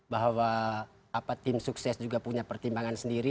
bahwa tim sukses juga punya pertimbangan sendiri